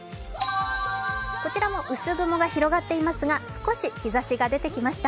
こちらも薄雲が広がっていますが少し日ざしが出てきました。